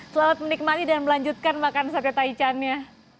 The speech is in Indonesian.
selamat menikmati dan melanjutkan makan sate taichannya